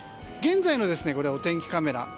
現在のお天気カメラ。